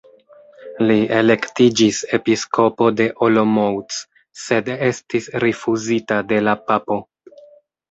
Li elektiĝis Episkopo de Olomouc sed estis rifuzita de la papo.